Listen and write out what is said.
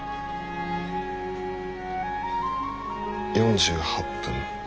４８分。